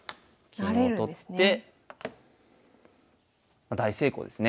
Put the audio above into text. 金を取って大成功ですね。